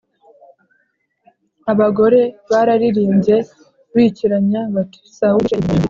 abagore bararirimbye bikiranya bati Sawuli yishe ibihumbi